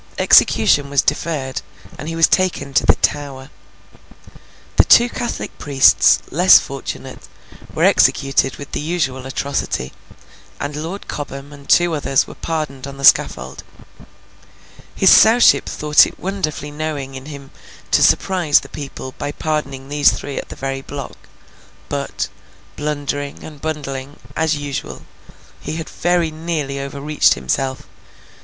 Execution was deferred, and he was taken to the Tower. The two Catholic priests, less fortunate, were executed with the usual atrocity; and Lord Cobham and two others were pardoned on the scaffold. His Sowship thought it wonderfully knowing in him to surprise the people by pardoning these three at the very block; but, blundering, and bungling, as usual, he had very nearly overreached himself.